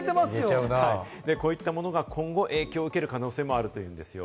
こういったものが今後、影響を受ける可能性もあるということなんですよ。